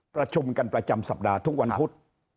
ประชุมกันประจำสัปดาห์ทุกวันพุธ